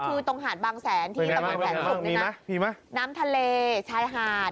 คือตรงหาดบางแสนตรงสี่โมงแสนสุขนะน้ำทะเลชายหาด